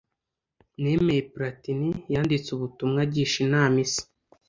Nemeye Platini yanditse ubutumwa agisha inama Isi